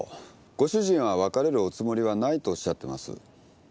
ご主人は別れるおつもりはないとおっしゃってます。